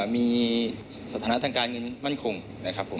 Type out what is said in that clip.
มีสถานะทางการเงินมั่นคงนะครับผม